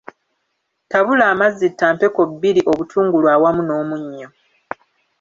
Tabula amazzi ttampeko bbiri obutungulu awamu n'omunnyo.